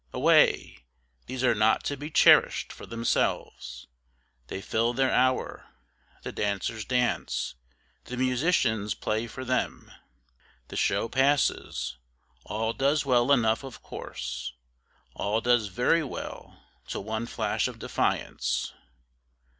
Away! these are not to be cherish'd for themselves, They fill their hour, the dancers dance, the musicians play for them, The show passes, all does well enough of course, All does very well till one flash of defiance.